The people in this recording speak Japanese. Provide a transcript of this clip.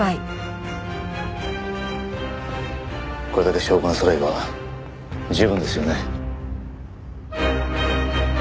これだけ証拠がそろえば十分ですよね？